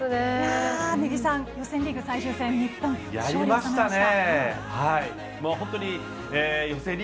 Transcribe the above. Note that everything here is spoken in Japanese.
予選リーグ最終戦日本、勝利しました。